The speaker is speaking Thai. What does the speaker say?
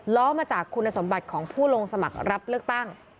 ล้อมาจากคุณสมบัติของผู้ลงสมัครรับเลือกตั้ง